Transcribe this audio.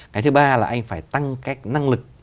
cái thứ ba là anh phải tăng các năng lực